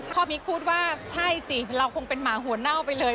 พ่อมิ๊กพูดว่าใช่สิเราคงเป็นหมาหัวเน่าไปเลย